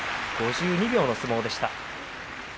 ５２秒の相撲でした。